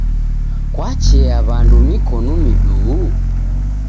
Kwachea w'andu mikonu miduhu?